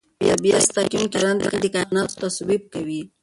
طبیعت ستایونکي شاعران د کائناتو توصیف کوي.